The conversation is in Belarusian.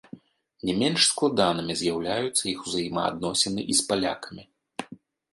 Не менш складанымі з'яўляюцца іх узаемаадносіны і з палякамі.